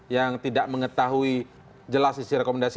yang tidak mengetahui jelas isi rekomendasi